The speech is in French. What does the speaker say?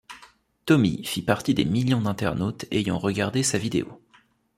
Tommy fit partie des millions d'internautes ayant regardé sa vidéo.